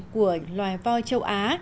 của loài voi châu á